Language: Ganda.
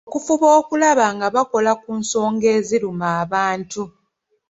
Okufuba okulaba nga bakola ku nsonga eziruma abantu.